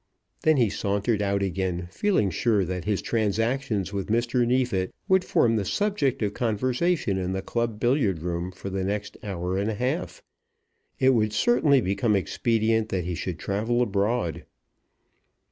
Then he sauntered out again, feeling sure that his transactions with Mr. Neefit would form the subject of conversation in the club billiard room for the next hour and a half. It would certainly become expedient that he should travel abroad.